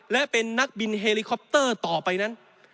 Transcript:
และเป็นนักบินเฮลิคอปเตอร์ต่อไปนั้น